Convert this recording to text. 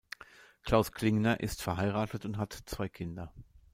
Klaus Klingner ist verheiratet und hat zwei Kinder.